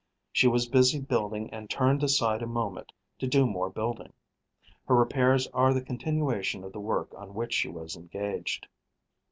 She was busy building and turned aside a moment to do more building. Her repairs are the continuation of the work on which she was engaged.